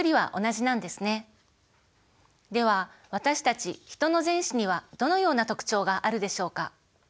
では私たちヒトの前肢にはどのような特徴があるでしょうか。